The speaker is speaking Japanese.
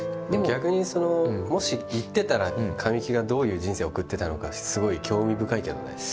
でも逆にもし行ってたら神木がどういう人生を送ってたのかすごい興味深いけどね。